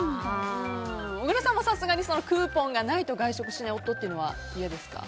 小倉さんもさすがにクーポンがないと外食しない夫というのは嫌ですか。